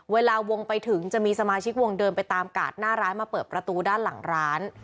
เวลาวงไปถึงจะมีสมาชิกวงเดินไปตามกาดหน้าร้านมาเปิดประตูด้านหลังร้าน